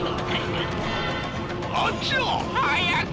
あっちは？早く！